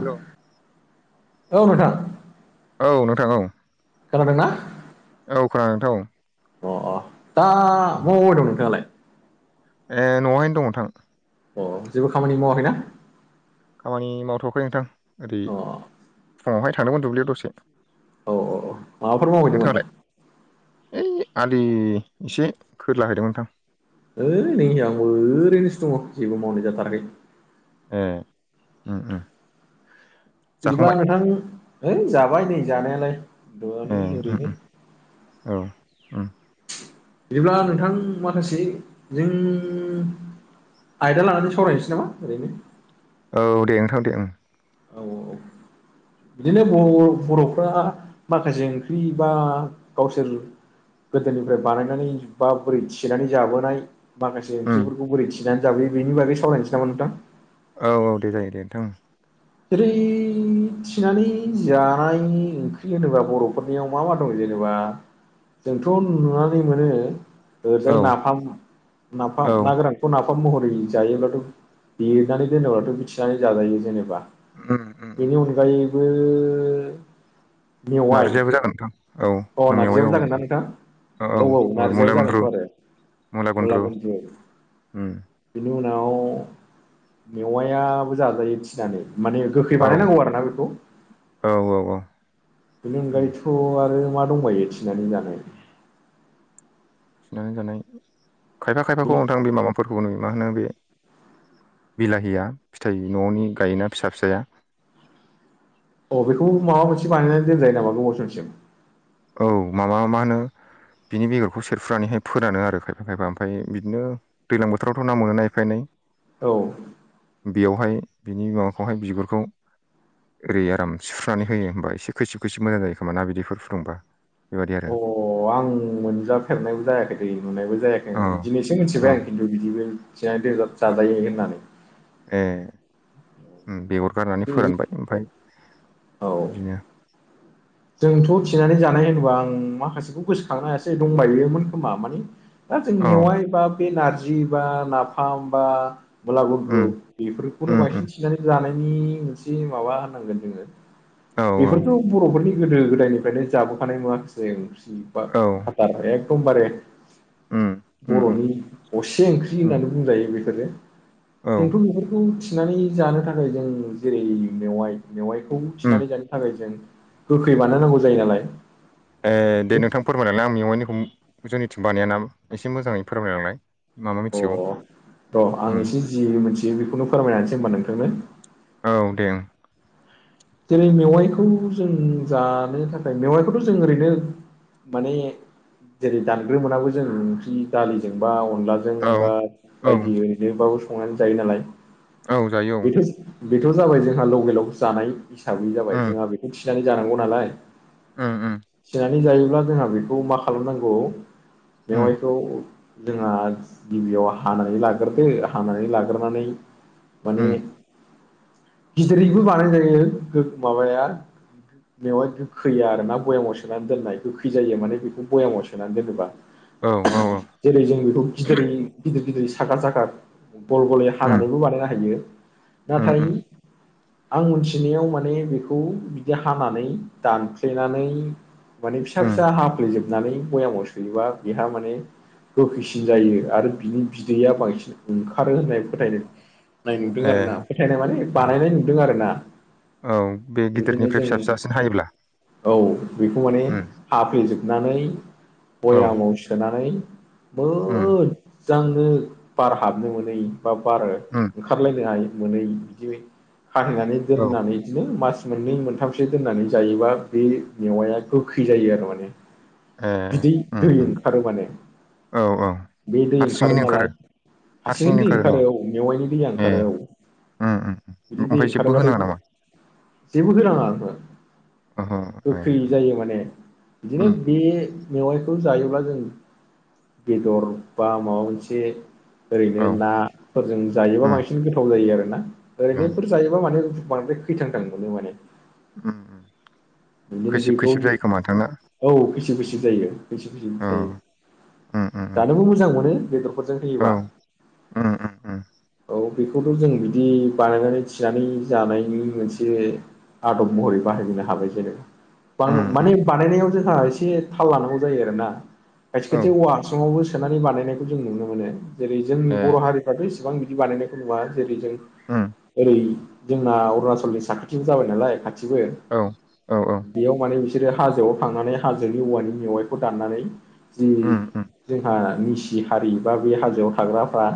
हेल' औ नोंथां औ औ खोनादोंना? औ खोनादों नोंथां औ अ अ दा मा मावबाय दं नोंथाङालाय? ए न'आवहायनो दं नोंथां। अ जेबो खामानि मावाखैना? खामानि मावथ'वाखै नोंथां। ओरै अ औ फुङावहाय थांदोंमोन दुब्लियाव दसे। औ औ औ माबाफोर मावहैदोंमोन? नोंथाङालाय ओइ आलि एसे खोरलाहैदोंमोन नोंथां। ओइ नों आंबो ओरैनोसो दङ जेबो मावनाय जाथाराखै। ए ओम ओम बिदिब्ला नोंथां है जाबाय नै जानायालाय दं ए उम ओरैनो। औ उम बिदिब्ला नोंथां माखासे जों आयदा लानानै सावरायनोसै नामा ओरैनो औ दे नोंथां दे ओं औ औ बिदिनो ब-बर'फ्रा माखासे ओंख्रि बा गावसोर गोदोनिफ्राय बानायनानै बा बोरै थिनानै जाबोनाय माखासे उम ओंख्रिफोरखौ बोरै थिनानै जाबोयो बेनि बागै सावरायनोसै नामा नोंथां। औ औ दे जायो दे नोंथां। ओरै थिनानै जानाय ओंख्रि होनोबा बर'फोरनियाव मा मा दङ जेनेबा जोंथ' नुनानै मोनो औ ओजाय नाफाम औ नाफाम ना गोरानखौ नाफाम फाम ओंखाम महरै जायोब्लाथ' देनानै दोनोब्लाथ' मिथिनानै जाजायो जेनेबा उम उम उम बेनि अनगायैबो मेवाइ नारजियाबो जागोन नोंथां अ औ मेवाइ नारजियाबो औ जागोनना नोंथां? औ औ नारजियाबो जागोनथ' आरो मुला गुन्द्रु मुलागुनद्रु उम जोंनाव मेवायाबो जाजायो थिनानै माने गोखै औ बानायनांगौ आरो ना बेखौ औ औ औ बेनि उम अनगायैथ' आरो मा दंबायो थिनानै जानाय थिनानै जानाय खायफा खायफाखौ नोंथां बे माबाफोरखौ नुयो मा होनो बे बिलाहिया फिथाइ न'नि गायोना फिसा फिसाया अ बेखौ माबा मोनसे बानायनानै दोनजायो नामा गोबाव समसिम औ माबा मा होनो बिनि बेगरखौ सेरफ्रुनानैहाय फोरानो आरो खायफा खायफा ओमफ्राय बिदिनो दैज्लां बोथोरावथ' ना मोनो ना एफा एनै औ बेयावहाय बिनि माबाखौहाय बिगुरखौ ओरै आराम सुफ्रुनानै होयो होमबा एसे खैसिब खैसिब मोजां जायो खोमा ना बिदैफोर फुदुंबा बेबायदि आरो अ आं मोनजाफेरनायबो जायाखै दै नुनायबो जायाखै औ दिनैसो औ मिथिबाय आं खिन्थु बि दिबो थिनानै जाजायो होननानै। ए उम बेगर गारनानै फोरानबाय ओमफ्राय औ बिदिनो जोंथ' थिनानै जानाय होनोबा आं माखासेखौ गोसोखांनो हायासै दंबायोमोन खोमा माने दा जों औ मेवाय बा बे नारजि बा नाफाम बा उम मुलागुन्द्रु उम बेफोरखौनो उम बांसिन थिननानै जानायनि मोनसे माबा होनांगोन जोङो औ औ बेफोरथ' बर'फोरनि गोदो गोदायनिफ्रायनो जाबोखानाय माखासे ओंख्रि औ हाथार एकम बारे उम उम उम बर'नि असे ओंख्रि उम होननानै बुंजायो बेफोरो। औ जोंथ' बेफोरखौ थिनानै जानो थाखाय जों जेरै मेवाइ मेवाइ औ उम थिनानै जानो थाखाय जों गोखै बानायनांगौ जायो नालाय ए दे नोंथां फोरमायहरलाय आं मेवायनिखौ जोंनिथिं बानायाना एसे मोजाङै फोरमायहरलाय अ र' आं एसे जि मिथियो बेखौनो फोरमाय होनोसै ओनबा नोंथांनो औ दे ओ जेरै मेवाइखौ जों जानो थाखाय मेवाइखौथ' जों ओरैनो माने जेरै दानग्रोमोनाबो जों ओंख्रि दालिजोंबा अन अनलाजों ओं बा औ बायदि ओरैनोबाबो संनानै जायो नालाय औ जायो औ बेथ' बेथ' जाबाय जोंहा लकेलाव जानाय हिसाबै जाबाय उम जोंहा बेखौ थिनानै जानांगौ नालाय उम उम थिनानै जायोब्ला जोंहा बेखौ मा खालामनांगौ उम मेवाइखौ जोंहा गिबियाव हानानै लाग्रोदो हानानै लाग्रोनानै माने उम गिदिरैबो बानाय जायो माबाया मेवाय गोखैया आरोना बयामाव सोनानै दोननाय गोखै जायो माने बेखौ भयामाव सोनानै दोनोबा औ औ जेरै जों बेखौ गिदिरै गिदिर गिदिर साखा साखा गल गलै उम हानानैबो बानायनो हायो उम नाथाय उम आं मिथिनायाव माने माने बेखौ बिदि हानानै दानफ्लेनानै माने फिसा उम फिसा हाफ्लेेजोब नानै बयामाव सोयोबा बेहा माने गोखैसिन जायो आरो बिनि बिदैया बांसिन ओंखारो होननाय फोथायदों नाय नुदों ए आरो ना फोथायनाय माने बानायनाय नुदों आरो ना औ बे गिदिरनिफ्राय बिबायदिनो फिसा जों फिसासिन हायोब्ला औ बेखौ माने उम हाफ्लेेजोबग नानै औ बयामाव सोनानै उम मोजांनो बार हाबनो मोनै बा बार उम ओंखारलायनोहायै मोनै बिदि खाथेनानै औ दोननानै बिदिनो मास मोननै मोनथामसो दोननानै जायोबा बे मेवाया गोखै जायो आरो माने ए बिदै उम दै उम ओंखारो माने औ औ बे दै ओंखारो नालाय हारसिंनो हारसिङैनो दै ओंखारो नामा औ मेवाइनि दैया ए ओंखारो औ उम बिदि उम दै ओमफ्राय जेबो ओंखारोबाथाय होनाङा नामा जेबो होनाङा ओंहो ओहो ए गोखै जायो माने बिदिनो उम बे उम बे मेवाइखौ जायोब्ला जों बेदर बा माबा मोनसे ओरैनो औ नाफोरजों जायोबा उम बांसिन गोथाव जायो आरोना उम ओरैनोफोर जायोबा माने बांद्राय खैथां थां मोनो माने उम बिदिनो खैसिब बेखौ खैसिब जायो खोमा नोंथांना औ खैसिब खैसिब जायो खैसिब खैसिब जायो औ उम उम उम जानोबो मोजां मोनो बेदरफोरजों औ होयोबा उम उम औ बेखौथ' जों बिदि बानायनानै थिनानै जानायनि मोनसे आदब महरै बाहायनो हाबाय जेनेबा उम उम माने बानायनायाव जों एसे थाल लानांगौ जायो आरोना खायसे औ खायसे औवा हासुंआवबो सोनानै बानायनायखौ जों नुनो मोनो जेरै जोंनि ए बर' हारिफ्राथ' इसेबां बिदि बानायनायखौ नुवा जेरै जों उम ओरै जोंना अरुणाचलनि साखाथिबो जाबाय नालाय खाथि मिथिबो औ औ औ बेयाव माने बिसोरो हाजोआव थांनानै हाजोनि औवानि मेवाइखौ दाननानै जि उम उम जोंहानि सि हारि बा बे हाजोआव थाग्राफ्रा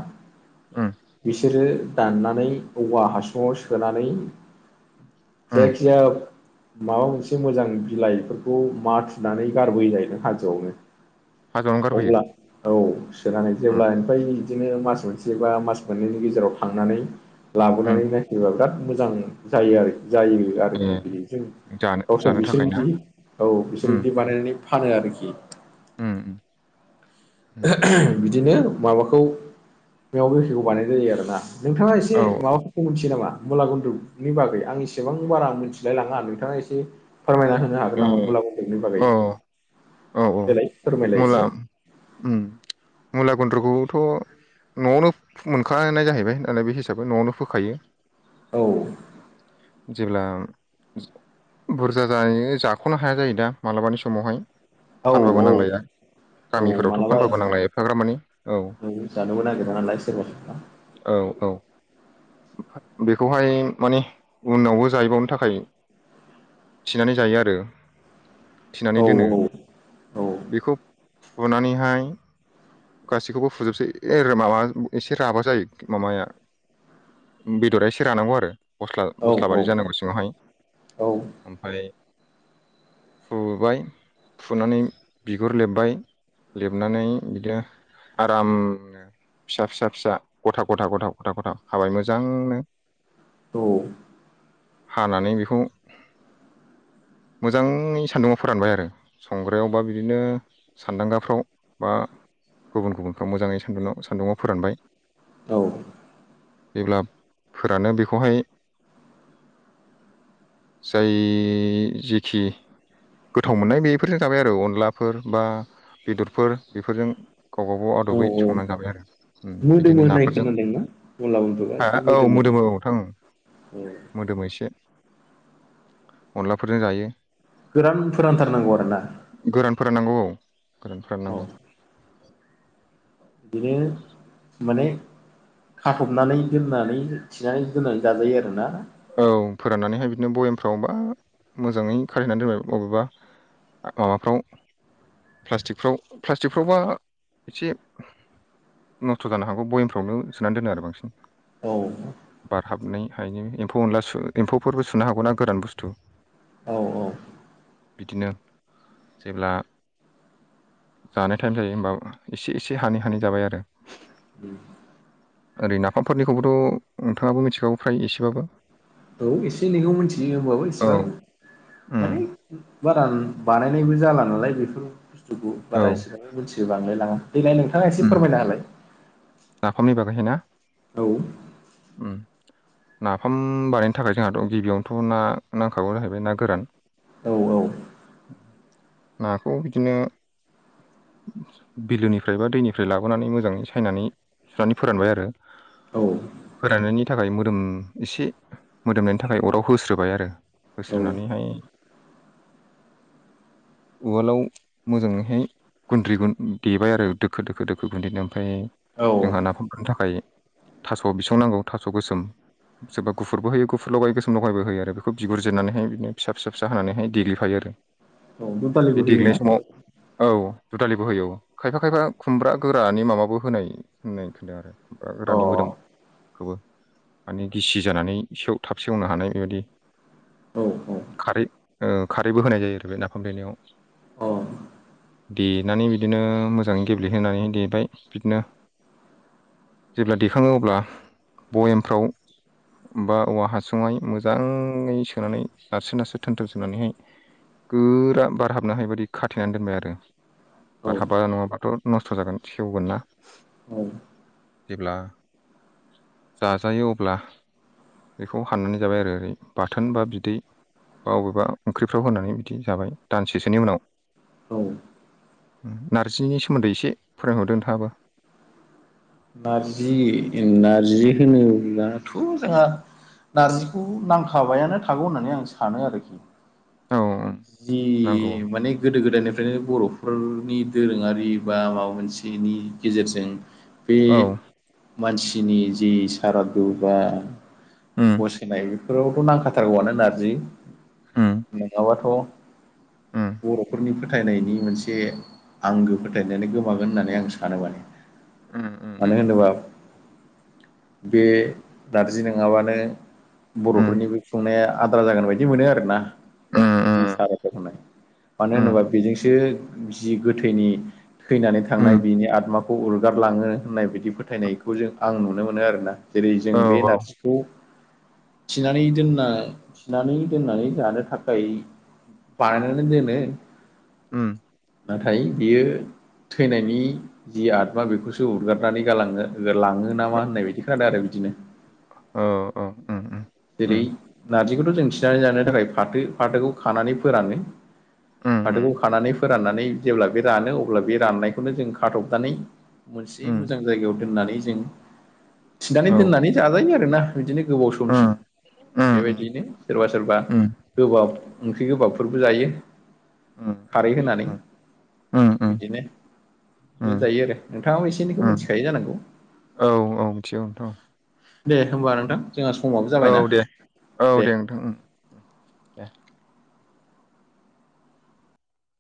उम बिसोरो दाननानै औवा हासुङाव सोनानै उम जायखि जाया माबा मोनसे मोजां बिलाइफोरखौ माथुनानै गारबोयो जाहैदों हाजोआवनो हाजोआवनो गारबोयो अब्ला औ सोनानै उम जेब्ला ओमफ्राय बिदिनो मास मोनसे बा मास मोननैनि गेजेराव थांनानै उम लाबोनानै नायफैबा बिराद मोजां जायो आरो जायो ए आरोखि बिदि जों जानो गावसोर जानो बिसोर थाखाय ना बिदि औ बिसोर उम बिदि बानायनानै फानो आरोखि उम उम बिदिनो माबाखौ मेवा गोखैखौ बानायनाय जायो आरोना। नोंथाङा एसे औ माबाफोरखौ मिथियो नामा? मुला गुन्द्रुगनि बागै आं इसेबां बारा आं मिथिलाय लाङा नोंथाङा एसे फोरमायना होनो हागोन ए नामा मुला गुन्द्रुगनि बागै औ औ औ देलाय फोरमायलाय एसे। मुला उम मुला गुन्द्रुगखौथ' न'आवनो मोनखानाय जाहैबाय होननानै बे हिसाबै न'आवनो फोखायो। औ जेब्ला बुरजा जानानै जाख'नो हाया जायो दा मालाबानि समावहाय औ फानबाबो औ नांलाया। औ गामिफोरावथ' मालाबा फानबाबो नांला एफाग्राब मानि औ जानोबो नागिरा नालाय सोरबा सोरबा औ औ बेखौहाय माने उनावबो जाहैबावनो थाखाय थिनानै जायो आरो थिनानै औ दोनो औ औ बेखौ फुनानैहाय गासैखौबो फुजोबसै ए माबा एसे राबा जायो माबाया बेदरा एसे रानांगौ आरो। औ बस्लाबादि जानांगौ सिङावहाय ओमफ्राय [inaudible] फुबाय फुनानै बिगुर लेबबाय लेबनानै बिदिनो आराम फिसा फिसा फिसा गथा गथा गथा गथा गथाव हाबाय मोजांनो औ हानानै बेखौ [inaudible] ् मोजाङै सान्दुंआव फोरानबाय आरो संग्रायाव बा बिदिनो सान्दांगाफ्राव बा गुबुन गुबुनखौ मोजाङै सान्दुं सान्दुंआव फोरानबाय औ जेब्ला फोरानो बेखौहाय [inaudible] जाय जेखि गोथाव मोननाय बेफोरजों जाबाय आरो अनलाफोर बा बेदरफोर बेफोरजों गावबागाव औ आदबै औ संनानै जाबाय आरो मोदोमो बिदिनो होननाय नाफोरजों खोनादोंना मुला गुन्द्रुआ हो एसे औ मोदोमो मोदोम औ औ नोंथां। औ मोदोमो एसे अनलाफोरजों जायो। गोरान फोरानथारनांगौ आरोना गोरान फोराननांगौ औ। गोरान औ फोराननांगौ। बिदिनो माने खाफबनानै दोननानै थिनानै दोननानै जाजायो आरोना। औ फोराननानैहाय बिदिनो बयेमफ्राव बा मोजाङै खाथेनानै दोनबाय अबावबा माबाफ्राव प्लास्टिकफ्राव प्लास्टिकफ्रावबा एसे नस्थ' जानो हागौ बयेमफ्रावनो सोनानै दोनो आरो बांसिन। औ खायनो एम्फौ अनला एम्फौफोरबो सुनो हागौ ना गोरान बुस्थु। औ औ बिदिनो जेब्ला जानाय टाइम जायो होमबा एसे एसे हानै हानै जाबाय आरो। उम ओरै नाफामफोरनिखौबोथ' नोंथाङाबो मिथिखागौ फ्राय एसेबाबो। औ एसे एनैखौ मिथियो होमबाबो औ इसिबां उम माने बारा बानायनायबो जाला नालाय बेफोर बुस्थुखौ औ बारा एसेबां मिथियो बांलायलाङा। देलाय नोंथाङा एसे उम फोरमायना होलाय नाफामनि बागैहाय ना औ उम नाफाम बानायनो थाखाय जोंहाथ' गिबियावनोथ' ना नांखागौ जाहैबाय ना गोरान औ औ नाखौ बिदिनो बिलोनिफ्राय बा दैनिफ्राय लाबोनानै मोजाङै सायनानै सुनानै फोरानबाय आरो औ फोराननायनि थाखाय मोदोम एसे मोदोमनायनि थाखाय अराव होस्रोबाय आरो होस्रोनानैहाय उवालाव मोजाङैहाय गुन्द्रि गुन देबाय आरो दोखो दोखो दोखो गुन्दैनो ओमफाय औ जोंहा नाफाम मोननो थाखाय थास' बिसं नांगौ थास' गोसोम सोरबा गुफुरबो होयो गुफुर लगाय गोसोम लगायबो होयो आरो बेखौ बिगुर जिरनानैहाय बिदिनो फिसा फिसा फिसा होनानैहाय देग्लिफायो आरो औ बे दुदालिबो देग्लिनाय होयोना? समाव औ दुदालिबो होय खायफा खायफा खुमब्रा गोरानि माबाबो होनाय होननाय [unintelligible] आरो आ अ गोरानि मोदोम औ खौबो माने गिसि जानानै सेव थाब सेवनो हानाय बेबायदि औ अ खारै ओ खारैबो होनाय जायो आरो नाफाम देनायाव औ देनानै बिदिनो मोजाङै गेब्लेहोनानै देबाय बिदिनो जेब्ला देखाङो अब्ला बयेमफ्राव बा औवा हासुंहाय मोजाङै सोनानै नारसोना सो थोनथोन सोनानैहाय गोरा बारहाबनो हायै बायदि खाथेनानै दोनबाय आरो औ बार हाब्बा नङाबाथ' नस्थ' जागोन सेवगोन ना औ जेब्ला जाजायो अब्ला बेखौ हाननानै जाबाय आरो ओरै बाथोन बा बिदै बा अबेबा ओंख्रिफ्राव होनानै बिदि जाबाय दानसेसोनि उनाव औ नार्जिनि सोमोन्दै एसे फोरोंहरदो नोंथाङाबो नारजि नारजि होनोब्लाथ' जोंहा नारजिखौ नांखाबायानो थागौ होननानै आं सानो आरोखि औ जि नंगौ माने गोदो गोदायनिफ्रायनो बर'फ फोरनि दोरोङारि बा माबा मोनसेनि गेजेरजों बे औ मानसिनि जि सारादु बा उम बसायनाय फोरावथ' नांखाथारगौआनो नारजि उम नङाबाथ' उम बर'फोरनिफ्राय फोथायनायनि मोनसे आंगो फोथायनायानो गोमागोन होननानै आं सानो माने उम उम मानो होनोबा बे नारजि नोङाबानो उम बर'फोरनि बै संनाया आद्रा जागोन बायदि मोनो आरो ना जि उम साराद होनाय मानो उम होनोबा बेजोंसो जि गोथैनि थैनानै थांनाय उम बिनि आतमाखौ उरगारलाङो होननाय बिदि फोथायनायखौ जों आं नुनो मोनो आरोना जेरै जों औ बे औ नारजिखौ थिनानै दोनना थिनानै दोननानै जानो थाखाय बानायनानै दोनो उम नाथाय बियो थैनायनि जि आतमा बेखौसो सो उरगारनानै गालाङो लाङो नामा होननाय बायदि खादो आरो बिदिनो औ औ उम उम उम जेरै नार्जिखौथ' जों थिनानै जानो थाखाय फाथो फाथोखौ खानानै फोरानो उम फाथोखौ खानानै फोराननानै जेब्ला बे रानो अब्ला बे राननायखौनो जों खाथबनानै मोनसे उम मोजां जायगाआव दोननानै जों थिनानै औ दोननानै जाजायो आरो आरोना इदिनो गोबाव समसिम उम उम बेबायदियैनो सोरबा सोरबा उम गोबाब ओंख्रि गोबाबफोरबो जायो खारै उम होनानै उम उम इदिनो बेनो उम जायो आरो नोंथाङाबो एसे एनैखौ उम मोनथिखायो जानांगौ औ औ मिथिगौ नोथां दे होमबा नोंथां जोंहा समाबो औ जाबायना दे औ दे नोंथां उम दे